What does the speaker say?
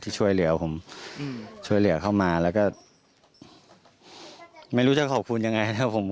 ช่วยเหลือผมช่วยเหลือเข้ามาแล้วก็ไม่รู้จะขอบคุณยังไงนะครับผม